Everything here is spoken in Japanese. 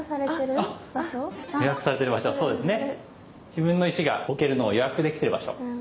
自分の石が置けるのを予約できている場所。